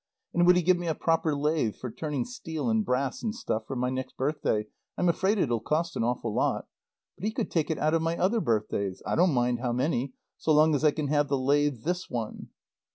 And would he give me a proper lathe for turning steel and brass and stuff for my next birthday I'm afraid it'll cost an awful lot; but he could take it out of my other birthdays, I don't mind how many so long as I can have the lathe this one.